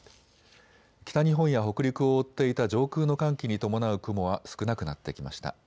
北日本や北陸を覆っていた上空の寒気に伴う雲は少なくなってきました。